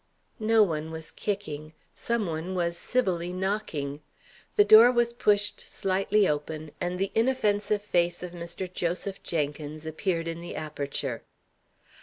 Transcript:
No one was kicking. Some one was civilly knocking. The door was pushed slightly open, and the inoffensive face of Mr. Joseph Jenkins appeared in the aperture.